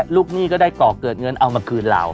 หนี้ก็ได้ก่อเกิดเงินเอามาคืนเรา